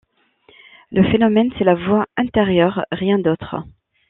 Le phénomène c'est la voix intérieure et rien d'autre.